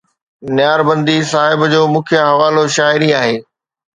نياربندي صاحب جو مکيه حوالو شاعري آهي